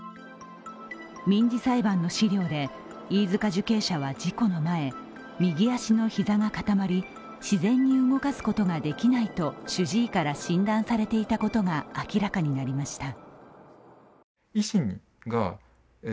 民事裁判の資料で、飯塚受刑者は事故の前右足の膝が固まり、自然に動かすことができないと主治医から診断されていたことが明らかになりました。